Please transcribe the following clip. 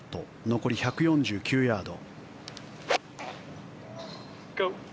残り１４９ヤード。